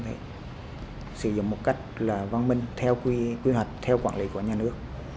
thì sử dụng một cách là văn minh theo quy hoạch theo quản lý của nhà nước